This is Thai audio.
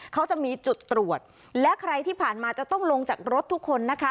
เขาจะมีจุดตรวจและใครที่ผ่านมาจะต้องลงจากรถทุกคนนะคะ